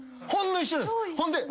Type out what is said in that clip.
ほんで。